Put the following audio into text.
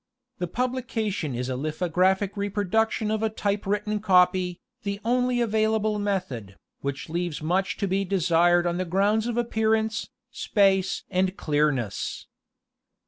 The publication is a lithographic reproduction of a type written copy, the only available method, which leaves much to be desired on the grounds of appearance, space and clearness.